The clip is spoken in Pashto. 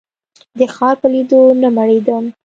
د ښار په لیدو نه مړېدم.